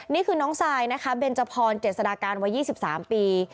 นี่คือน้องไซด์นะคะเบนเจ้าพรเจ็ดสถานการณ์วัยยี่สิบสามปี